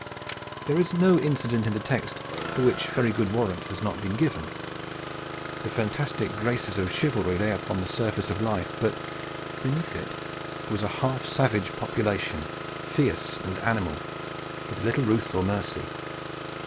There is no incident in the text for which very good warrant may not be given. The fantastic graces of Chivalry lay upon the surface of life, but beneath it was a half savage population, fierce and animal, with little ruth or mercy.